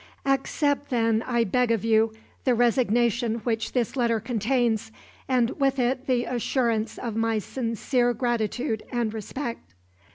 "Accept, then, I beg of you, the resignation which this letter contains, and with it the assurance of my sincere gratitude and respect.